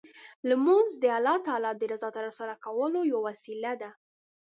لمونځ د الله تعالی د رضا ترلاسه کولو یوه وسیله ده.